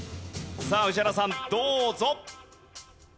さあ宇治原さんどうぞ。